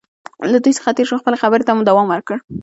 له دوی څخه تېر شو، خپلې خبرې ته مو دوام ورکړ.